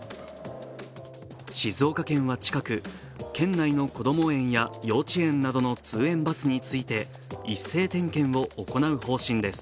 静岡県は近く、県内のこども園や幼稚園などの通園バスについて一斉点検を行う方針です。